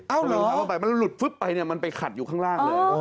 เอารองเท้าผ้าใบมันหลุดฟึ๊บไปเนี่ยมันไปขัดอยู่ข้างล่างเลย